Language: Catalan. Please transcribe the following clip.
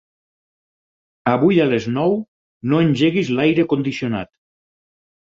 Avui a les nou no engeguis l'aire condicionat.